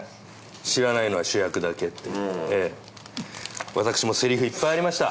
「知らないのは主役だけ」っていって私もセリフいっぱいありました。